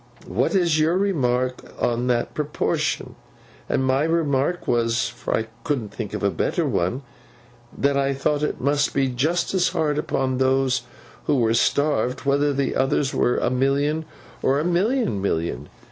What is your remark on that proportion? And my remark was—for I couldn't think of a better one—that I thought it must be just as hard upon those who were starved, whether the others were a million, or a million million.